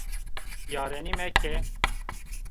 Yarenî meke!